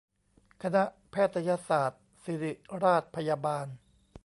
คณะแพทยศาสตร์ศิริราชพยาบาล